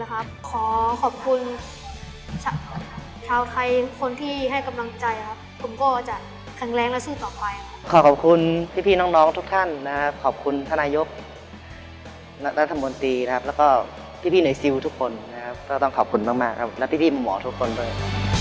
ครับขอขอบคุณชาวใครคนที่ให้กำลังใจครับผมก็จะแข็งแรงและสู้ต่อไปขอบคุณพี่น้องทุกท่านนะครับขอบคุณธนยกรัฐบนตรีนะครับแล้วก็พี่หน่วยซิวทุกคนนะครับก็ต้องขอบคุณมากครับแล้วพี่หม่อทุกคนด้วย